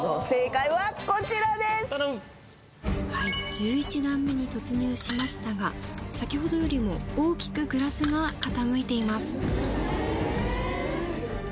１１段目に突入しましたが先ほどよりも大きくグラスが傾いています。